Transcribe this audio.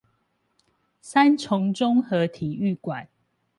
三重綜合體育館